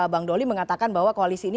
bangdoli mengatakan bahwa koalisi ini